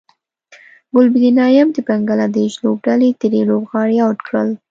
ګلبدین نایب د بنګلادیش لوبډلې درې لوبغاړي اوټ کړل